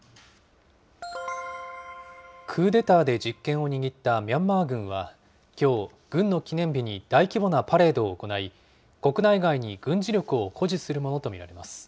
クーデターで実権を握ったミャンマー軍はきょう、軍の記念日に大規模なパレードを行い、国内外に軍事力を誇示するものと見られます。